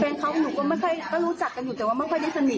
แฟนเขาก็รู้จักกันอยู่แต่ไม่ค่อยได้สนิทกับคนนี้